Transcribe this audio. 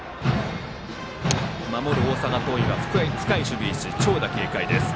守る大阪桐蔭は深い守備位置で長打警戒です。